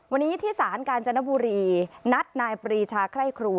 วันนี้ที่ศาลกาญจนบุรีนัดนายปรีชาไคร่ครู